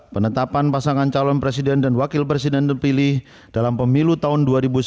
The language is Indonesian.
penetapan pasangan calon presiden dan wakil presiden terpilih dalam pemilu tahun dua ribu sembilan belas